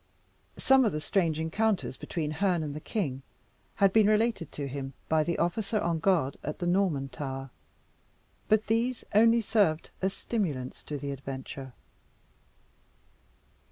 Some of the strange encounters between Herne and the king had been related to him by the officer on guard at the Norman Tower but these only served as stimulants to the adventure.